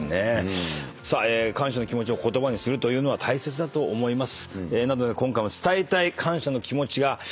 さあ感謝の気持ちを言葉にするというのは大切だと思います。